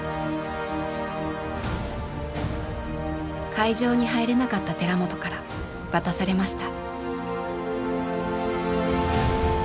会場に入れなかった寺本から渡されました。